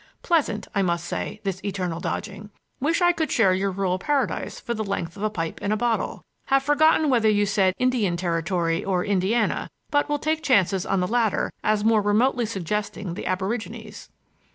Pleasant, I must say, this eternal dodging! Wish I could share your rural paradise for the length of a pipe and a bottle! Have forgotten whether you said Indian Territory or Indiana, but will take chances on the latter as more remotely suggesting the aborigines.